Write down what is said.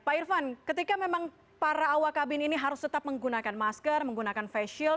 pak irvan ketika memang para awak kabin ini harus tetap menggunakan masker menggunakan face shield